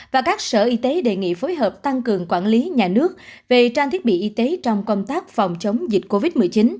và các sở y tế đề nghị phối hợp tăng cường quản lý nhà nước về trang thiết bị y tế trong công tác phòng chống dịch covid một mươi chín